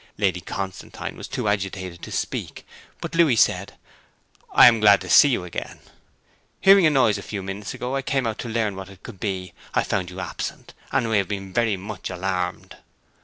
Lady Constantine was too agitated to speak, but Louis said, 'I am glad to see you again. Hearing a noise, a few minutes ago, I came out to learn what it could be. I found you absent, and we have been very much alarmed.'